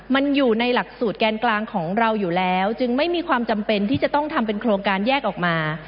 มันอยู่ในหลักสูตรแกนกลางของเราอยู่แล้วจึงไม่มีความจำเป็นที่จะต้องทำเป็นโครงการแยกออกมา